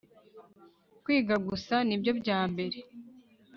kwiga gusa nibyo byambere